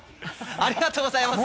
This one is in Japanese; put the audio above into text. ありがとうございます。